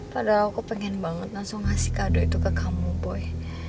padahal aku pengen banget langsung ngasih kado itu ke kamu boy